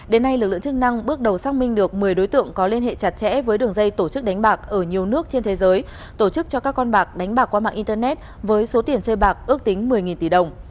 đến nay lực lượng chức năng bước đầu xác minh được một mươi đối tượng có liên hệ chặt chẽ với đường dây tổ chức đánh bạc ở nhiều nước trên thế giới tổ chức cho các con bạc đánh bạc qua mạng internet với số tiền chơi bạc ước tính một mươi tỷ đồng